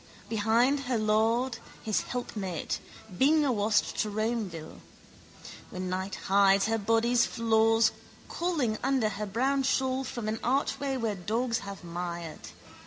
Behind her lord, his helpmate, bing awast to Romeville. When night hides her body's flaws calling under her brown shawl from an archway where dogs have mired.